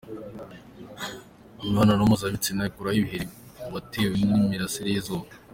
Imibonano mpuzabitsina ikuraho ibiheri watewe n’imirasire y’izuba.